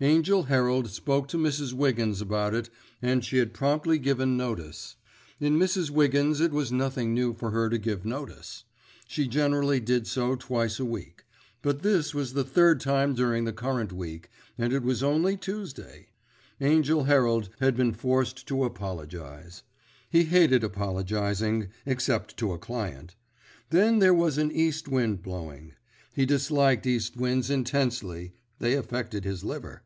Angell Herald spoke to Mrs. Wiggins about it, and she had promptly given notice. In Mrs. Wiggins it was nothing new for her to give notice. She generally did so twice a week; but this was the third time during the current week, and it was only Tuesday. Angell Herald had been forced to apologise. He hated apologising—except to a client. Then there was an east wind blowing He disliked east winds intensely, they affected his liver.